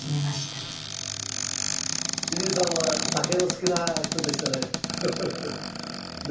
位里さんは酒の好きな人でしたね。